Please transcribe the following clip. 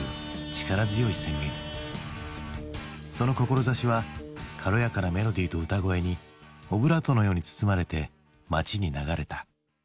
その志は軽やかなメロディーと歌声にオブラートのように包まれて街に流れた。